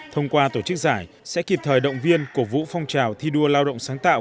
thông qua tổ chức giải sẽ kịp thời động viên cổ vũ phong trào thi đua lao động sáng tạo